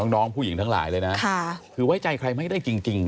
น้องผู้หญิงทั้งหลายเลยนะคือไว้ใจใครไม่ได้จริง